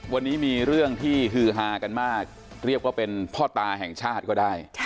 วันนี้มีเรื่องที่ฮือฮากันมากเรียกว่าเป็นพ่อตาแห่งชาติก็ได้